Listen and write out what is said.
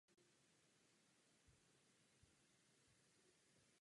Také bude nutno provést analýzy.